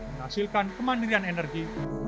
menghasilkan kemandirian energi